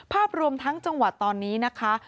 ภาพรวมทั้งจังหวัดตอนนี้นะคะ